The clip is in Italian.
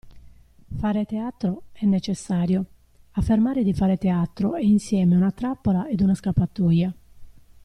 Fare teatro, è necessario. Affermare di fare teatro è insieme una trappola ed una scappatoia.